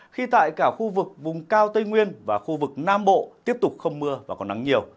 khi tại cả khu vực vùng cao tây nguyên và khu vực nam bộ tiếp tục không mưa và có nắng nhiều